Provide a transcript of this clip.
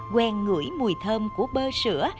quen ngửi mùi thơm của bơ sữa